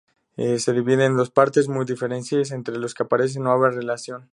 Se divide en dos partes muy diferenciadas entre las que parece no haber relación.